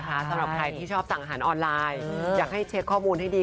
สำหรับใครที่ชอบสั่งอาหารออนไลน์อยากให้เช็คข้อมูลให้ดี